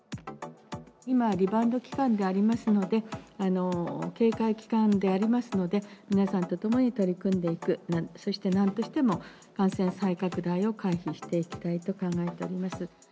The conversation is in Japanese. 今、リバウンド期間でありますので、警戒期間でありますので、皆さんと共に取り組んでいく、そしてなんとしても、感染再拡大を回避していきたいと考えております。